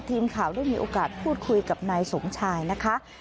ทีมข่าวได้มีโอกาสพูดคุยกับนายสมชายนะคะ